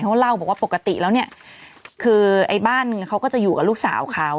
เขาเล่าบอกว่าปกติแล้วเนี่ยคือไอ้บ้านเขาก็จะอยู่กับลูกสาวเขา